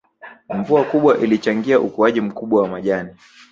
Mvua kubwa ilichangia ukuaji mkubwa wa majani